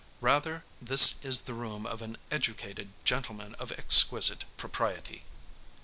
Rather this is the room of an educated gentleman of 'exquisite propriety.'